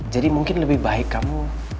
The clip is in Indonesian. jadi mungkin lebih baik kamu